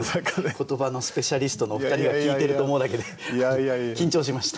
言葉のスペシャリストのお二人が聴いてると思うだけで緊張しました。